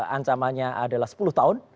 ancamanya adalah sepuluh tahun